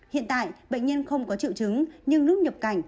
hiện tại bệnh nhân không có triệu chứng nhưng lúc nhập cảnh